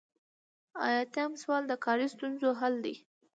ایاتیام سوال د کاري ستونزو حل دی.